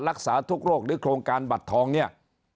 รักษาทุกโรคหรือโครงการบัตรทองเนี่ย